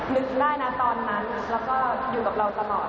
นึกได้นะตอนนั้นแล้วก็อยู่กับเราตลอด